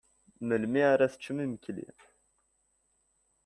Melmi ara teččem imekli?